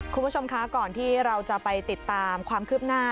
คุณผู้ชมคะก่อนที่เราจะไปติดตามความคืบหน้า